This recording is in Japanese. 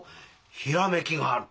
ひらめきがある。